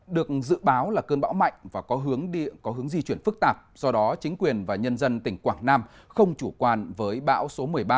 được dự báo là cơn bão mạnh và có hướng di chuyển phức tạp do đó chính quyền và nhân dân tỉnh quảng nam không chủ quan với bão số một mươi ba